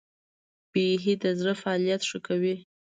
بیهي د زړه فعالیت ښه کوي.